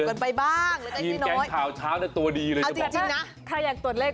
เข้าไปเล่นข่าวเช้ามี๓ตัวตรงเลยสำหรับ๓ตัวตรง